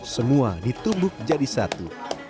semua ditumbuk jadi satu